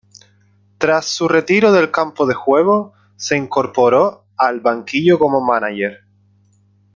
Tras su retiro del campo de juego, se incorporó al banquillo como mánager.